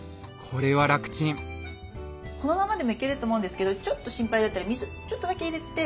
このままでもいけると思うんですけどちょっと心配だったら水ちょっとだけ入れて。